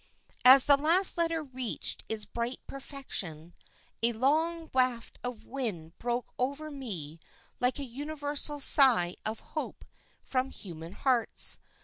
As the last letter reached its bright perfection, a long waft of wind broke over me like a universal sigh of hope from human hearts.